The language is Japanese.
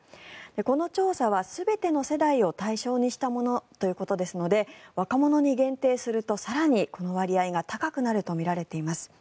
この調査は全ての世代を対象にしたものということですので若者に限定すると更にこの割合が高くなるとみられています。